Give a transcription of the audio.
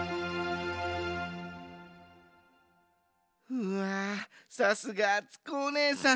うわさすがあつこおねえさん。